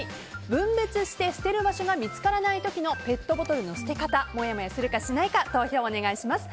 分別して捨てる場所が見つからない時のペットボトルの捨て方もやもやするか、しないか投票をお願いします。